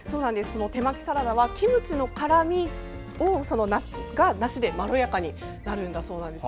手巻きサラダはキムチの辛みが梨でまろやかになるそうです。